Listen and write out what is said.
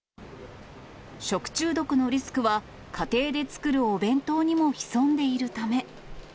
食中毒のリスクは、家庭で作るお弁当にも潜んでいるため。